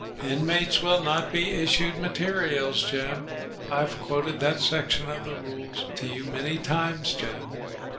"'Inmates will not be issued materials,' Jim. I've quoted that section of the rules to you many times, Jim."